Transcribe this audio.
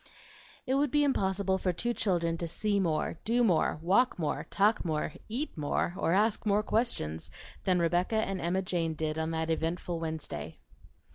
It would be impossible for two children to see more, do more, walk more, talk more, eat more, or ask more questions than Rebecca and Emma Jane did on that eventful Wednesday.